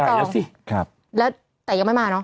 จ่ายแล้วสิแล้วแต่ยังไม่มาเนอะ